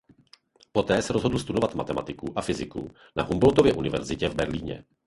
Poté se rozhodl studovat matematiku a fyziku na Humboldtově univerzitě v Berlíně.